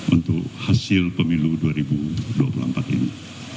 untuk hasil pemilu dua ribu dua puluh empat ini